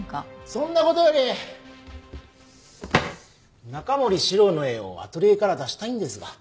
そんな事より中森司郎の絵をアトリエから出したいんですが。